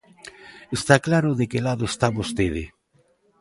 Está claro de que lado está vostede.